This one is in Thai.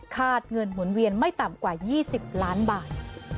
เงินหมุนเวียนไม่ต่ำกว่า๒๐ล้านบาท